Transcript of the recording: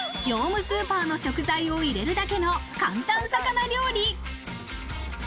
業務スーパーの食材を入れるだけの簡単魚料理。